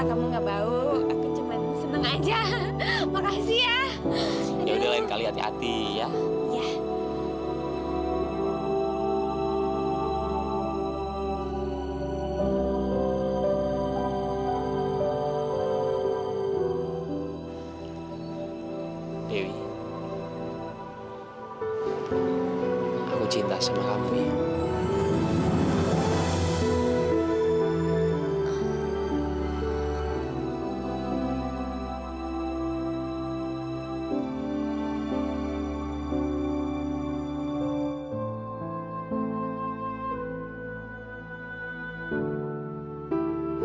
aku gak pernah berhenti untuk cinta sama kamu